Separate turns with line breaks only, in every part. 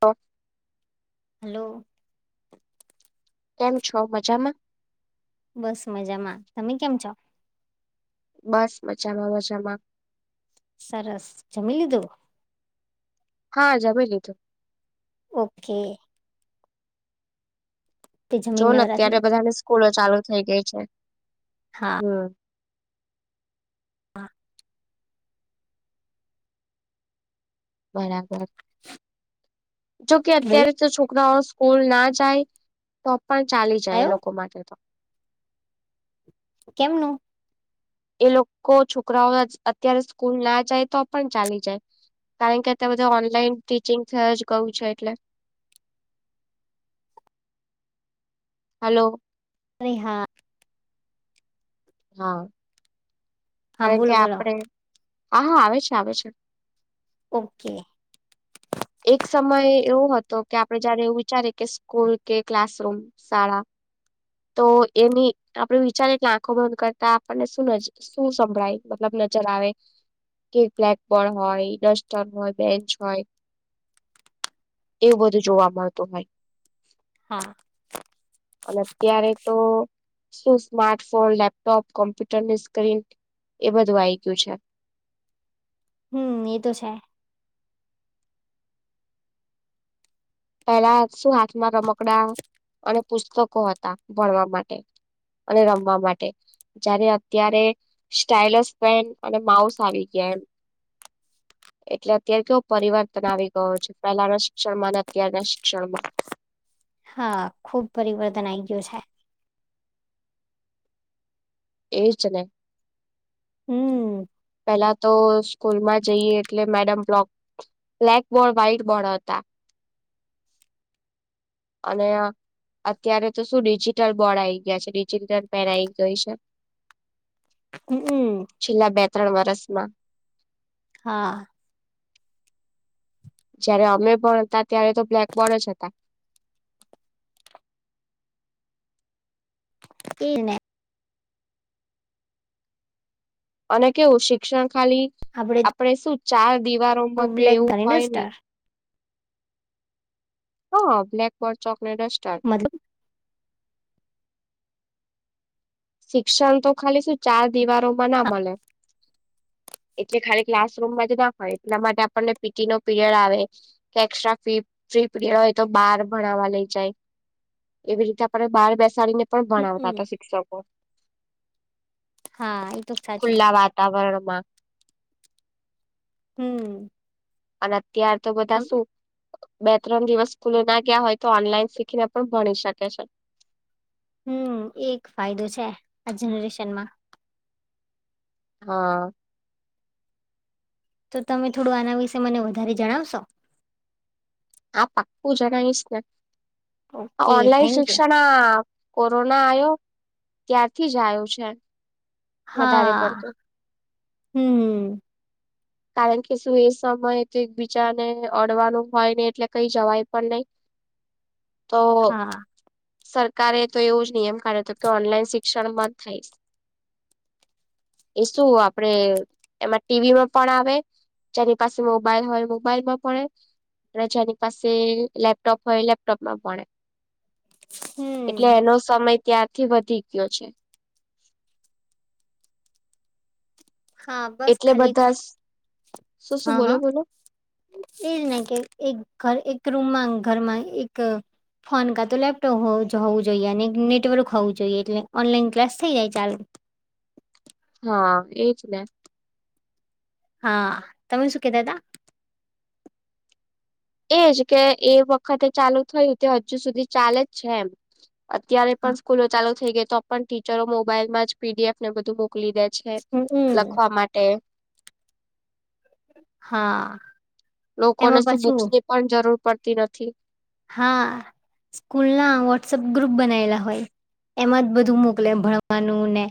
તો
હલો.
કેમ છો મજામાં.
બસ મજામાં તમે કેમ છો?
બસ મજામાં મજામાં.
સરસ જમી લીધૂ?
હા જમી લીધું.
ઓકે. તે
જો
જમીન
ને
નવરા થઈ
અત્યારે
ગયા.
બધાની સ્કૂલો ચાલુ થઈ ગઈ છે, હમ.
હા.
બરાબર, જોકે
બોલો
અત્યારે તો છોકરાઓ સ્કૂલનાં જાય તો પણ ચાલી જાય એ
આયો
લોકો માટે તો.
કેમનું?
એ લોકો છોકરાઓ અત્યારે સ્કૂલ ના જાય તો પણ ચાલી જાય. કારણ કે અત્યારે બધાં ઓનલાઈન ટીચિંગ થય જ ગયું છે એટલે. હલો.
અરે હા.
હા,
હા
કારણ કે
બોલો બોલો
આપડે હા હા આવે છે આવે છે.
ઓકે.
એક સમય એવો હતો કે આપરે જયારે એવું વિચારે કે સ્કૂલ કે ક્લાસરૂમ, શાળા. તો એની આપરે વિચારે કે આંખો બંધ કરતા આપણને શું શું સંભળાય મતલબ આવે કે બ્લેકબોર્ડ હોય ડસ્ટર હોય, બેન્ચ હોય. એવું બધું જોવા મળતું હોય.
હા.
અને અત્યારે તો શું સ્માર્ટફોન, લેપટોપ, કોમ્પ્યુટરની સ્ક્રીન એ બધું આયી ગયું છે. [inaudible]
હમ્મ એતો છે.
પેલા શું હાથમાં રમકડા અને પુસ્તકો હતા ભણવા માટે. અને રમવા માટે. જયારે અત્યારે સ્ટાઈલસ પેન્ટ અને માઉસ આવી ગયા. એટલે અત્યારે તો પરિવર્તન આવી ગયો છે. પહેલાના શિક્ષણમાં ન ત્યારનાં શિક્ષણમાં
હા, ખૂબ પરિવર્તન આય ગયું છે.
એજને.
હમ
પેલા તો સ્કૂલમાં જઈએ એટલે madam block black board white board હતા. અને આ અત્યારે તો શું ડિજિટલ બોર્ડ આઈ ગયા છે ડિજિટલ પેન આઈ ગઈ છે.
હ હમ.
છેલ્લા બે ત્રણ વર્ષમાં.
હા.
જયારે અમે ભણતા ત્યારે તો બ્લેકબોર્ડ જ હતા.
ઈરને.
અને કેવું શિક્ષણ ખાલી,
આપડે
આપણેે શું ચાર
તો
દિવારોમાં કે
બ્લેક
એવું
ધણી
થાય ની.
ડસ્ટર
હા, બ્લેકબોર્ડ, ચોકને ડસ્ટર.
મતલબ
શિક્ષણ તો ખાલી શું ચાર દિવારોમાં ના મલે. એટલે ખાલી ક્લાસ રૂમમાં જ ના હોય એટલા માટે આપણને પીટીનો પીરિયડ આવે કે એકસ્ટ્રા ફી ફ્રી પીરિયડ હોય તો બાર ભણાવા લઈ જાય એવી રીતે આપરે બાર બેસાડીને પણ ભણાવતા
હમ
હતા શિક્ષકો
હા એ તો સાચું
ખુલ્લા વાતાવરણ માં.
હમ્મ
અને અત્યાર તો બધા શું બે ત્રણ દિવસ સ્કૂલેના ગયા હોય તો ઓનલાઈન શીખીને પણ ભણી શકે છે.
હમ્મ એક ફાયદો છે આ જનરેશનમાં.
હા.
તો તમે થોડું આના વિશે મને વધારે જણાવશો?
હા પાક્કુ જણાઈશને
ઓકે
ઓનલાઈન
થેન્ક યુ
શિક્ષણા. કોરોના આયો ત્યારથી જ આયો છે. વધારે
હા
પડતું
હમ્મ હ.
કારણ કે શું એ સમયે તો એક બીજાને અડવાનું હોય ને. એટલે કઈ જવાય પણ નહી તો.
હા
સરકારે તો એવું જ નિયમ કાઢ્યો હતો કે ઓનલાઈન શિક્ષણ મા જ થઈશ એ શું આપડે એમાં ટીવીમાં પણ આવે. જેની પાસે મોબાઈલ હોય મોબાઈલમાં ભળે જાની પાસે લેપટોપ હોય લેપટોપમાં ભણે
હમ
એટલે એનો સમય ત્યાં. થી વધી ગયો છે.
હા બસ
એટલે
ખાલી
બધા શું
હા
શું બોલો
હા
બોલો
એ જ ન કે. એક ઘર એક રૂમમાં ઘરમાં એક. ફોન કા તો લેપટોપ હોવું જોઈએ અને નેટવર્ક હોવું જોઈએ એટલે ઓનલાઈન ક્લાસ થઇ જાય ચાલ.
[inaudible] હા એજ ને
હા તમે શું કેતા તા?
એજ કે એ વખતે ચાલુ થયું તે હજુ સુધી ચાલે જ છે એમ અત્યારે
હા
પણ સ્કૂલો ચાલુ થઈ ગઈ તો પણ ટીચરો મોબાઈલમાં જ પી ડી એફ ને બધું બો કલી દે છે
હમ
લખવા માટે
હા
લોકોને
એમાં
શું
પાછું
બુક્સની પણ જરૂર પડતી નથી
હા સ્કૂલ ના વોટ્સઅપ ગ્રુપ બનાવેલા હોય એમાં જ બધું મોકલે ભણવાનું ને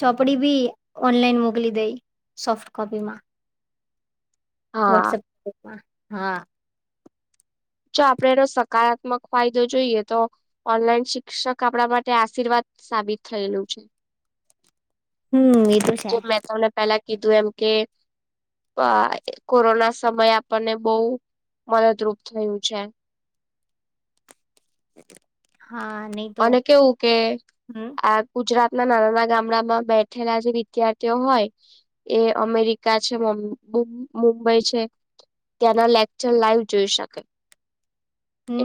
ચોપડી બી ઓનલાઈન મોકલી દેય સોફ્ટ કોપીમાં
હા
વોટ્સપ ગ્રુપમાં હા
જો આપડે એનો સકારાત્મક ફાયદો જોઈએ તો ઓનલાઈન શિક્ષક આપડા માટે આશીર્વાદ સાબિત થયેલું છે
હમ એ તો છે.
જેમ મેં તમને પેલા કીધું એમ કે. અ કોરોના સમયે આપણને બહુ મદદરૂપ થયું છે.
[inaudible] નહી તો
અને કેવું કે
હમ
આ ગુજરાત. નાના નાના ગામડામાં બેઠેલા જે વિદ્યાર્થીઓ હોય એ અમેરિકા છે. મુંબઈ છે ત્યાંના લેક્ચર લાઈવ જોઈ શકે.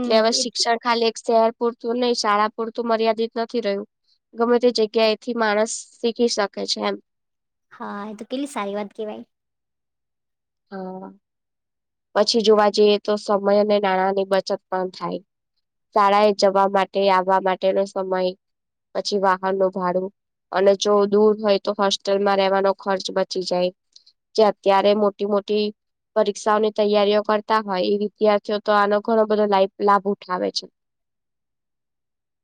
એટલે હવે
એ
શિક્ષણ ખાલી એક શહેર પૂરતું નહી શાળા પૂરતું મર્યાદિત નથી રહ્યું ગમે તે જગ્યા એથી માણસ શીખી શકે છે એમ
હા એ તો કેટલી સારી વાત કેવાય
હા પછી જોવા જઈએ તો સમય અને નાણાંની બચત પણ થાય શાળાએ જવા માટે આવવા માટેનો સમય પછી વાહન નું ભાડું અને જો દૂર હોય તો હોસ્ટેલમાં રહેવાનો ખર્ચ બચી જાય જે અત્યારે મોટી મોટી પરીક્ષાઓને તૈયારીઓ કરતા હોય એ વિદ્યાર્થીઓ તો આનો ઘણો બધો [unintelligible] લાભ ઉઠાવે છે [inaudible]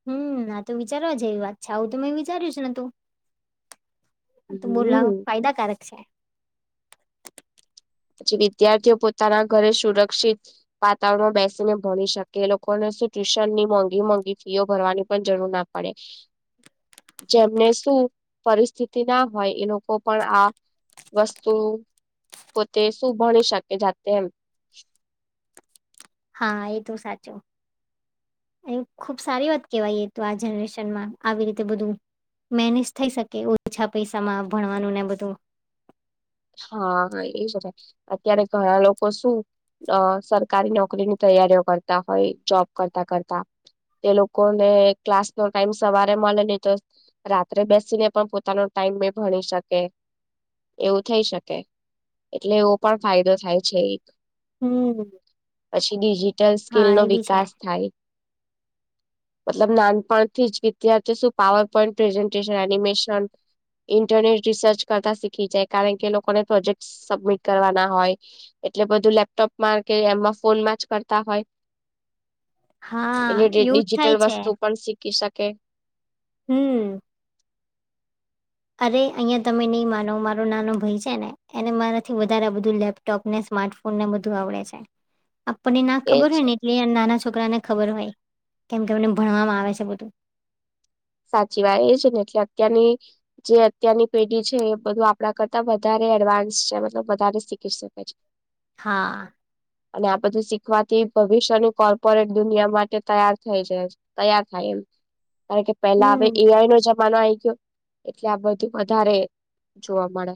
હમ આ તો વિચારવા છે એવી વાત છે આવું ત મે વિચાર્યું છે ન તું આતો બો લા
હમ.
ફાયદાકારક છે
પછી વિદ્યાર્થીઓ પોતાના ઘરે સુરક્ષિત વાતાવરણ બેસીને ભણી શકે એ લોકોને ટ્યુશન ની મોંઘી મોંઘી ફીઓ ભરવાની પણ જરૂર ના પડે જેમને શું પરિસ્થિતિ ના હોય એ લોકો પણ આ વસ્તુ પોતે શું ભણી શકે જાતે એમ
હા એ તો સાચું અય ખુબ સારી વાત કેવાય તો આ જનરેશનમાં આવી રીતે બધું મેનેજ થઈ શકે ઓછા પૈસામાં ભણવાનું ને બધું
હા એ જ અત્યારે ઘણા લોકો શું અ સરકારી નોકરીની ત તૈયારી કરતા હોય જોબ કરતા કરતા તે લોકોને ક્લાસ નો ટાઈમ સવારે મળે અને ને તો રાત્રે બેસીને પણ પોતાનો ટાઈમ ભણી શકે એવું થઈ શકે એટલે એવો પણ ફાયદો થાય છે એક
હમ
પછી ડિજિટલ સ્કીલ
હા
નો
એ બી છે
વિકાસ થાય મતલબ નાનપણથી જ વિદ્યાર્થી શું power point presentation animation internet research કરતા શીખી જાય કારણ કે લોકોને પ્રોજેક્ટ સબમિટ કરવાના હોય એટલે બધું લેપટોપ મા કે એમાં ફોનમા એજ કરતા
હા
એટલે
એવું જ થાય
ડિજિટલ
છે
વસ્તુ પણ શી કીસાકેે
હમ અરે અહીં તમે નહી માનો મારો નાનો ભાઈ છે ને એને મારાથી વધારે બધું લેપટોપ ને સ્માર્ટફોન ને બધું આવડે છે આપણને ના
એજ
ખબર હોય ને એટલે નાના છોકરાને ખબર હોય કેમ કે એમને ભણવામાં આવે છે બધું
સાચી વાત એ છે ને એટલે અત્યારની જે અત્યારની પેઢી છે એ બધું આપડા કરતા વધારે એડવાન્સ છે મતલબ વધારે શીખી શકે છે.
હા
અને આ બધું શીખવાથી ભવિષ્યની કોર્પોરેટ દુનિયા માટે તૈયાર થઈ છેાય તૈયાર થાય એમ કારણ કે પેલા હવે
હમ,
એઆઈ નો જ આ ગયો એટલે આ બધું વધારે જોવા મળે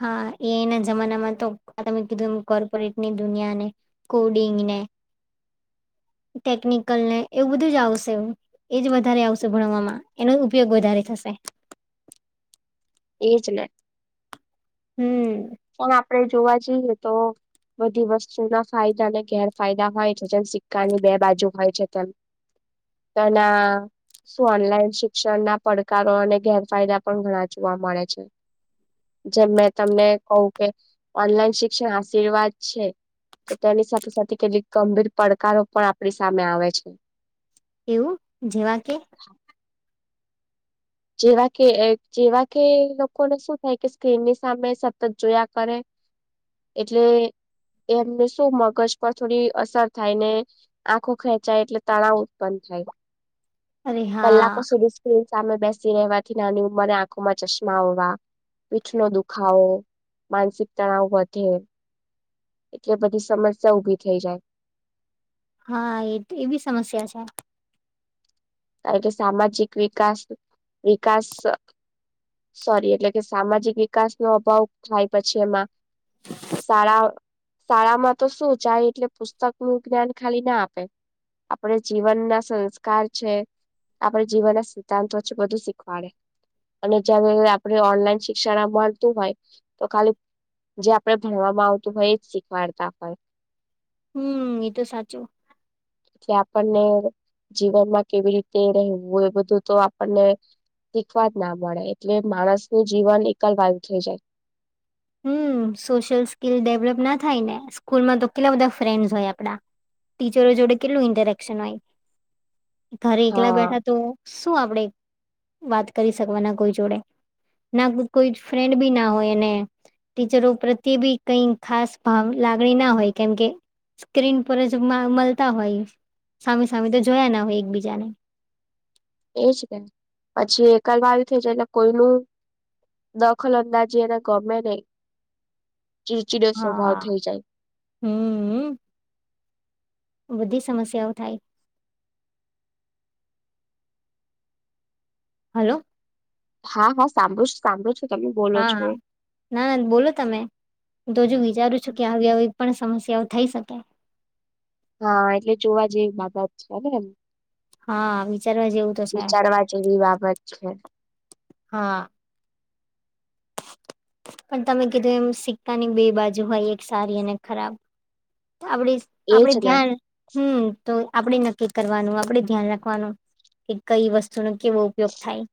હા એના જમાનામાં તો તમે કીધું એ કોર્પોરેટ ની દુનિયાને કોડિંગને
[inaudible]
ટેકનિકલ ને એવું બધું જ આવશે એજ વધારે આવશે ભણવામાં એનો ઉપયોગ વધારે થશે [inaudible]
એ જ ને
હમ,
પણ આપડે જોવા જઈએ તો બધી વસ્તુના ફાયદા અને ગેરફાયદા હોય છે જેમ સિક્કાની બે બાજુ હોય છે તેમ ત ના ઓનલાઈન શિક્ષણના પડકારો અને ગેરફાયદા પણ ઘણા જોવા મળે છે જેમ મેં તમને કહું કે ઓનલાઈન શિક્ષણ આશીર્વાદ છે. તો તેની સાથે સાથે કેટલીક ગંભીર પડકારો પણ આપણી સામે આવે છે.
એવું જેવા કે?
જેવા કે જેવા કે લોકોને શું થાય કે સ્ક્રીનની સામે સતત જોયા કરે એટલે એમને શું મગજ પર થોડી અસર થાય ને આંખો ખેંચાય એટલે તળાવ ઉત્પન્ન થ
અરે
કલાકો
હા,
સુધી સ્ક્રીન સામે બેસ સી રહેવાથી નાની ઉંમર આંખો માં ચશ્મા હોવા પીઠ નો દુખાવો માનસિક તણાવ વધે એટલે બધી સમસ્યા ઉભી થઈ જાય
હા એ એ બી સમસ્યા છે.
કારણ કે સામાજિક વિકાસ વિકાસ સોરી એટલે કે સામાજિક વિકાસનો અભાવ થાય પછી એમાં શાળા શાળામાં તો શું જાય એટલે પુસ્તક નું જ્ઞાન ખાલી ના આપે આપડે જીવન ના સંસ્કાર છે આપણે જીવનના સિદ્ધાંતો છે બધું શીખવાડે અને જયારે આપણે ઓનલાઈન શિક્ષણ મળતું હોય તો ખાલી જે આપણે ભણવામાં આવતું હોય એ જ શીખવાડતા હોય
હમ એ તો સાચું
એટલે આપણને જીવનમાં કેવી રીતે રહેવું એ બધું તો આપણને શીખવા જ ના મળે એટલે માણસનું જીવન એકલવાયુ થઈ જાય.
હમ સોશિયલ સ્કીિલ ડેવલપ ના થાય ને સ્કૂલમાં તો કેટલા બધા ફ્રેન્ડસ હોય આપડા ટીચરો જોડે કેટલું ઇન્ટરેકશન હોય ઘરે એકલા
હા
બેઠા તો શું આપડે વાત કરી શકવાના કોઈ જોડે ના કોઈ ફ્રેન્ડ બી ના હોય એને ટીચરો પ્રત્યે બી કઈ ખાસ ભ લાગણી ના હોય કેમકે સ્ક્રીન પર જ મળતા હોય. સામે સામે તો જોયા ના હોય એકબીજાને
એજ કે પછી એકલ વા આવ છે એટલે કોઈનું દખલ અંદાજીી એને ગમે નહીં ચિડચીડો સ્વભાવ
હા
થઈ જાય.
હમ બધી સમસ્યાઓ થાય હલો
હા હા સાંબુ સાંબુ
હા હા ના ના બોલો તમે હ તો હજુ વિચારું છું કે આવી આવી પણ સમસ્યાઓ થઈ શકે
હા એટલે જોવા જેવી બાબત છે અ એમ
હા આવી
વિચારવા જેવી બાબત છે
હા પણ તમે કીધું એમ સિક્કાની બે બાજુ હોય એક સારી અને ખરાબ આપડી
એજ
આપડ
ને
ધ્યાન હમ તો આપણે નક્કી કરવાનું આપડ ધ્યાન રાખવાનું કે કઈ વસ્તુનોો કેવો ઉપયોગ થાય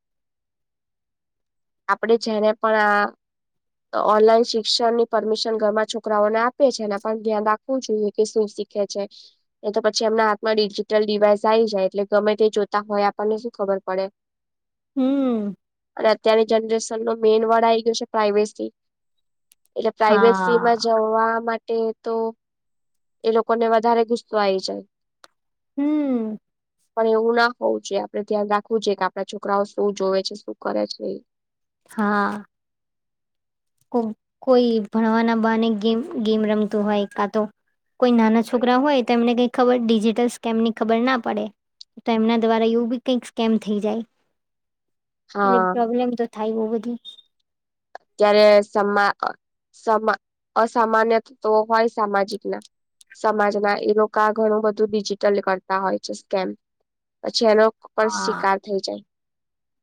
આપડે જને પણ આ ઓનલાઈન શિક્ષણ ની પરમિશન ઘરમાં છોકરાઓને આપે છે એના પણ ધ્યાન રાખવું જોઈએ કે શું તો પછી એમના હાથમાં ડિજિટલ ડિવાઈસ આ આવી જાય એટલે ગમે તે જોતા હોય આપણને
હમ
શુંર અત્યારની જનરેશન ન મેન વડા આ ગયું છે પ્ર એટલે પ્રાઈવેસી માં
હા
જવા માટે તો એ લોકોને વધારે ગુસ્સો આ આવી જાય
હમ
પણ એવું ના હોવું જોઈએ આપડે ધ્યાન રાખવું જોઈએ કે આપણા છોકરાઓ શું જોવે છે શું કરે છે
હા કોઈ ભણવાના બને ગેમ ગેમ રમતું હોય કા તો કોઈ નાના છોકરા હોય તો એમને કઈ ખબર ડિજિટલ સ્કેમ ની ખબર ના પડે તો એમના દ્વારા એવું બી કઈક સ્કેમ થઈ જાય
[inaudible]
એટલે
હા
પ્રોબ્લેમ તો થાય બઉ બધી
ત સમામા અસામાન્ય તો હોય સામાજિક ના સમાજના એ લોકો આ ઘણું બધું ડિજિટલ કરતા હોય છે સ્કેમ જેનો પણ
હા
શિકાર થઈ જાય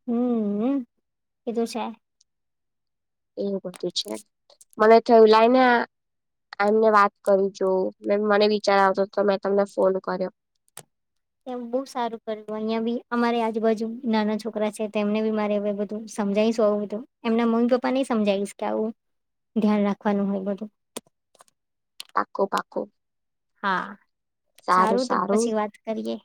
હમ કીધું છે
એવું બધું છે મને થયું લાઈને એમને વાત કરી જો મે મને વિચાર આવતો તો મેં તમને ફોન કર્યો
એ બહુ સારું કર્યું અહિયાં બી અમારે આજુબાજુ નાના છોકરા છે તેમને બી મારે હ બધું સમજાઈશ આવું બધું એમના મ્મી પપ્પા ને સમજાવીશ કે આવું ધ્યાન રાખવાનું હોય બધું
પાકો પાકો
હા સારું તો પછી વાત કરીએ.